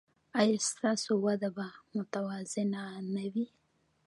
ایا ستاسو وده به متوازنه نه وي؟